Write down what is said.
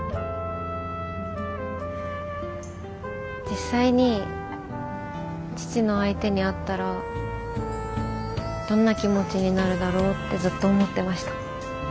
実際に父の相手に会ったらどんな気持ちになるだろうってずっと思ってました。